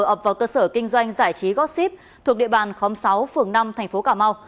ập vào cơ sở kinh doanh giải trí góp ship thuộc địa bàn khóm sáu phường năm thành phố cà mau